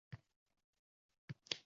Onam to’kkan ko’z yoshlarda ko’rdim seni